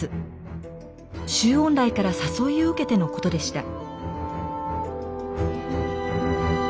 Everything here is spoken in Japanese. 周恩来から誘いを受けてのことでした。